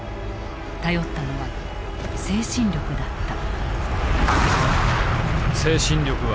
頼ったのは精神力だった。